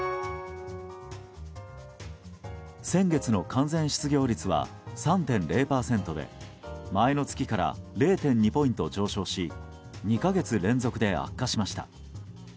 先月の完全失業率は３．０％で前の月から０．２ポイント上昇し２か月連続で悪化しました。